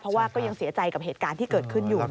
เพราะว่าก็ยังเสียใจกับเหตุการณ์ที่เกิดขึ้นอยู่